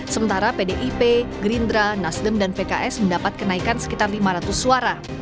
sementara pdip gerindra nasdem dan pks mendapat kenaikan sekitar lima ratus suara